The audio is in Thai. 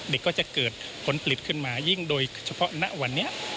ก็จะเกิดผลผลิตขึ้นมายิ่งโดยเฉพาะณวันนี้